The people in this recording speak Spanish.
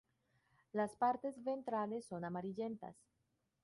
Las partes ventrales son amarillentas.